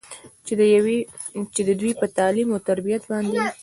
چې د دوي پۀ تعليم وتربيت باندې